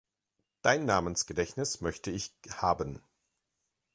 Dein Namensgedächtnis möchte ich haben.